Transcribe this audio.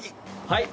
はい。